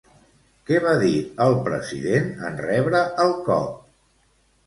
Què va dir el president en rebre el cop?